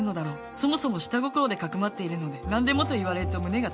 そもそも下心で匿っているので何でもと言われると胸が高鳴る